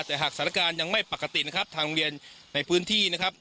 แต่หากสถานการณ์ยังไม่ปกตินะครับทางโรงเรียนในพื้นที่นะครับ